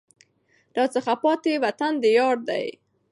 راڅخه پاته وطن د یار دی